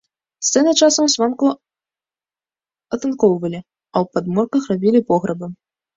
Сцены часам звонку атынкоўвалі, а ў падмурках рабілі пограбы.